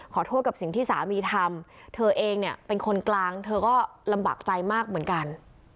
ขอโทษกับสิ่งที่สามีทำเธอเองเนี่ยเป็นคนกลางเธอก็ลำบากใจมากเหมือนกัน